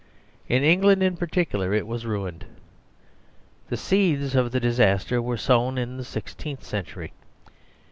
In England in particular it was ruined. The seeds of the disaster were sown in the sixteenth cen tury.